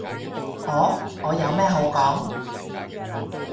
我？我有咩好講？